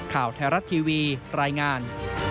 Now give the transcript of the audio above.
ข่าวไทยรัฐทีวีรายงาน